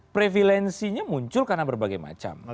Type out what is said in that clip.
previlensinya muncul karena berbagai macam